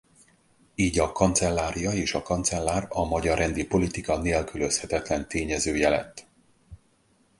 Így a kancellária és a kancellár a magyar rendi politika nélkülözhetetlen tényezője lett.